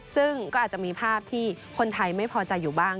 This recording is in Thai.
ซึ่งก็อาจจะมีภาพที่คนไทยไม่พอใจอยู่บ้าง